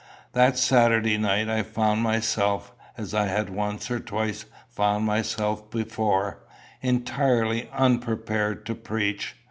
That Saturday night I found myself, as I had once or twice found myself before, entirely unprepared to preach.